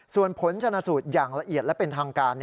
ส่วนผลชนะสูตรอย่างละเอียดและเป็นทางการ